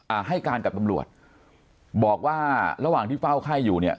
ให้การกับตำรวจบอกว่าระหว่างที่เฝ้าไข้อยู่เนี่ย